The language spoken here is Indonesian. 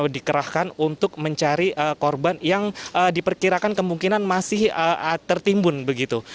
dikerahkan untuk mencari korban yang diperkirakan kemungkinan masih tertimbun begitu